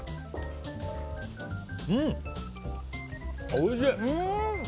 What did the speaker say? おいしい！